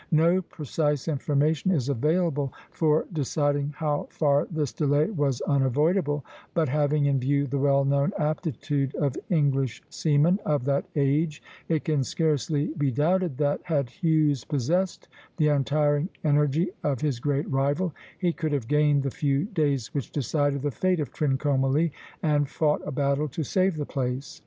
No precise information is available for deciding how far this delay was unavoidable; but having in view the well known aptitude of English seamen of that age, it can scarcely be doubted that, had Hughes possessed the untiring energy of his great rival, he could have gained the few days which decided the fate of Trincomalee, and fought a battle to save the place.